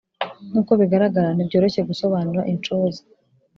Nk uko bigaragara ntibyoroshye gusobanura inshoza